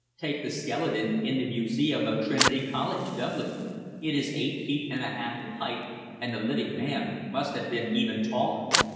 Take the skeleton in the museum of Trinity College, Dublin. It is eight feet and a half in height, and the living man must have even taller.